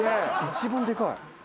一番でかい。